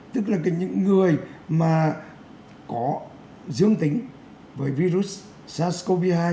tức là những người mà có dương tính với virus sars cov hai